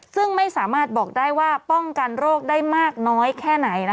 ซึ่งไม่สามารถบอกได้ว่าป้องกันโรคได้มากน้อยแค่ไหน